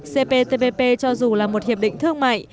cptpp cho dù là một hiệp định thương mại